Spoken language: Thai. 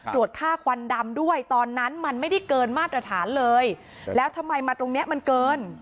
ค่าควันดำด้วยตอนนั้นมันไม่ได้เกินมาตรฐานเลยแล้วทำไมมาตรงเนี้ยมันเกิน